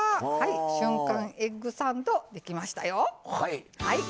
瞬間エッグサンドできましたよ。